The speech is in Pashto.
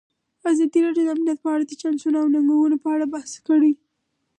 ازادي راډیو د امنیت په اړه د چانسونو او ننګونو په اړه بحث کړی.